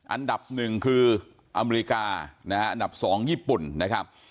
อันดับ๑คืออเมริกาอันดับ๒ญี่ปุ่นนะครับ